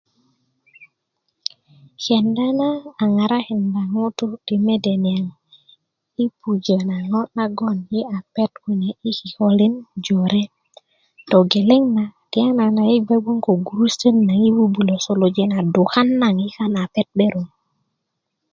kenda na a ŋarakinda ŋutuu ti mede niaŋ i pujö na ŋo' nagoŋ yi a pet kune i kikölin jore togeleŋ na tiyanan yi bge goŋ ko gurusutot naŋ yi bubulö suluja na dukan naŋ yi a pet 'beron